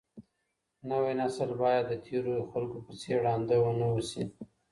نوی نسل باید د تېرو خلګو په څېر ړانده ونه اوسي.